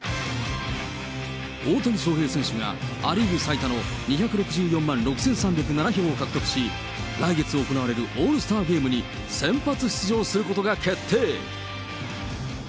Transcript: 大谷翔平選手が、ア・リーグ最多の２６４万６３０７票を獲得し、来月行われるオールスターゲームに先発出場することが決定。